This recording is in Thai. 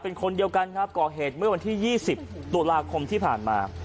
เป็นคนเดียวกันครับก่อเหตุเมื่อวันที่๒๐ตุลาคมที่ผ่านมา